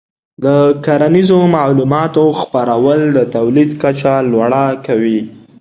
د کرنیزو معلوماتو خپرول د تولید کچه لوړه کوي.